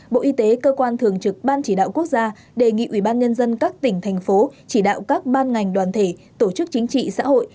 bộ y tế cơ quan thường trực ban chỉ đạo quốc gia đề nghị ubnd các tỉnh thành phố chỉ đạo các ban ngành đoàn thể tổ chức chính trị xã hội